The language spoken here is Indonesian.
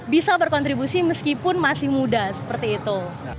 bisa berkontribusi meskipun masih muda seperti itu